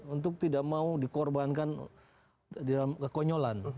untuk tidak mau dikorbankan dalam kekonyolan